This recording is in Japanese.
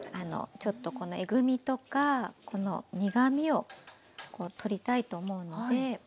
ちょっとこのえぐみとかこの苦みを取りたいと思うので。